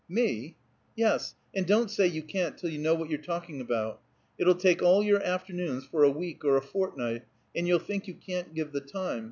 "Me?" "Yes; and don't say you can't till you know what you're talking about. It'll take all your afternoons for a week or a fortnight, and you'll think you can't give the time.